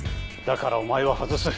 だからお前は外す！